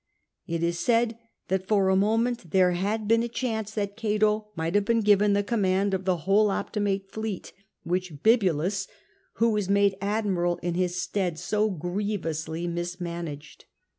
It is said that for a moment there had been a chance that Cato might have been given the command of the whole Optimate fleet, which Bibulus, who was made admiral in his stead, so grievously mismanaged.